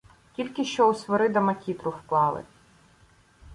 — Тільки що у Свирида макітру вклали.